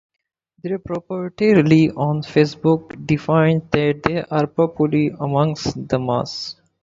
Their popularity on Facebook defines that they are popular amongst the masses.